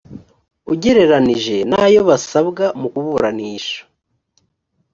ugereranije n ayo basabwa mu kuburanisha